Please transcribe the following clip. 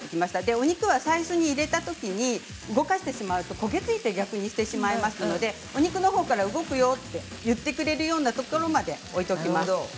お肉は最初に入れたときに動かしてしまうと焦げ付いてしまいますのでお肉のほうから動くよと言ってくれるようなところまで置いておきます。